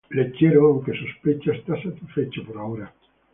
Lechero, aunque sospecha, está satisfecho por ahora.